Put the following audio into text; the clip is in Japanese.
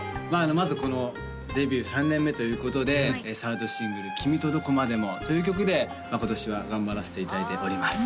まずこのデビュー３年目ということでサードシングル「君とどこまでも」という曲で今年は頑張らせていただいております